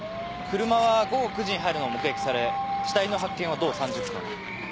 車は午後９時に入るのが目撃され死体の発見は同３０分。